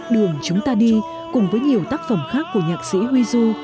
đường chúng ta đi cùng với nhiều tác phẩm khác của nhạc sĩ huy du